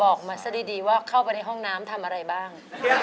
ออกมาซะดีว่าเข้าไปในห้องน้ำทำอะไรบ้าง